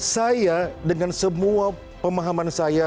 saya dengan semua pemahaman saya